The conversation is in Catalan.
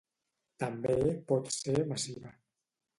També pot ser massiva.